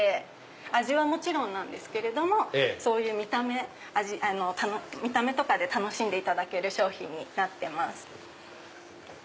味はもちろんなんですけれども見た目とかで楽しんでいただける商品になってます。